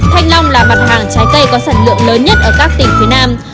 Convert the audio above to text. thanh long là mặt hàng trái cây có sản lượng lớn nhất ở các tỉnh phía nam